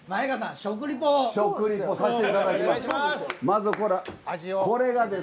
食リポさせていただきます。